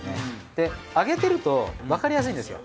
で揚げてるとわかりやすいんですよ